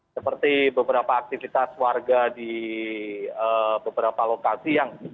seperti beberapa aktivitas warga di beberapa lokasi yang